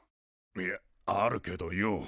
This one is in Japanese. いやあるけどよ。